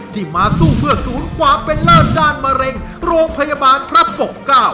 ที่มาสู้เพื่อศูนย์ความเป็นเลิศด้านมะเร็งโรงพยาบาลพระปกเกล้า